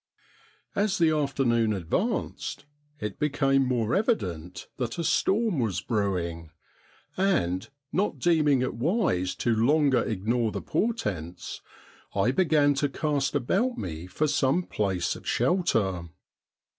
As the afternoon advanced it became more evident that a storm was brewing ; and, not deeming it wise to longer ignore the portents, I began to cast about me for some place of shelter.